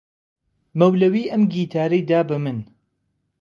مەولەوی ئەم گیتارەی دا بە من.